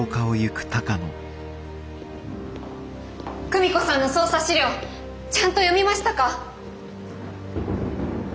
久美子さんの捜査資料ちゃんと読みましたか？